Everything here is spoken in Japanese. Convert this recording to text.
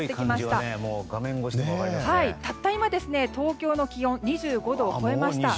たった今、東京の気温２５度を超えました。